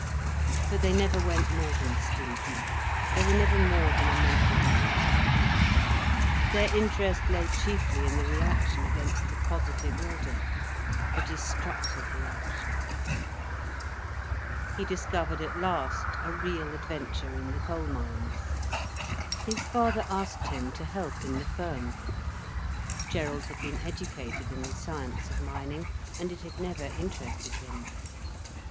But they never went more than skin deep, they were never more than a mental amusement. Their interest lay chiefly in the reaction against the positive order, the destructive reaction. He discovered at last a real adventure in the coal mines. His father asked him to help in the firm. Gerald had been educated in the science of mining, and it had never interested him.